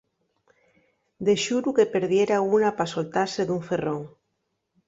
De xuru que perdiera una pa soltase d'un ferrón.